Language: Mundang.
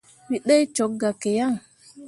Wǝ ɗee cok gah ki yan.